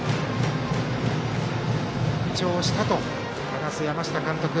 復調したと話す山下監督。